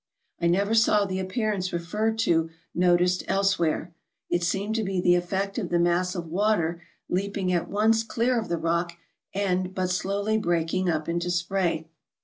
I never saw the appearance referred to noticed else where. It seemed to be the effect of the mass of water leaping at once clear of the rock, and but slowly breaking up into spray.